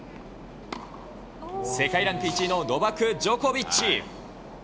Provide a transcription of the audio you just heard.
世界ランク１位のノバク・ジョコビッチ。